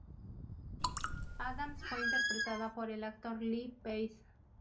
Addams fue interpretada por el actor Lee Pace.